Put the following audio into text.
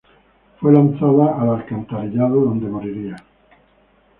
Fue lanzada al alcantarillado donde moriría.